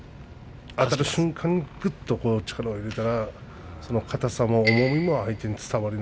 あたる瞬間にぐっと力を入れたらかたさも、重みも相手に伝わる。